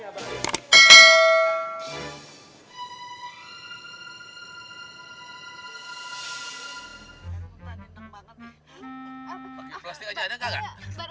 pakai plastik aja ada gak